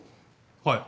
はい。